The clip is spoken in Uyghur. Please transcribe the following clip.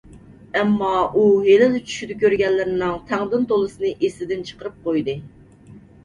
ئەمما، ئۇ ھېلىلا چۈشىدە كۆرگەنلىرىنىڭ تەڭدىن تولىسىنى ئېسىدىن چىقىرىپ قويدى.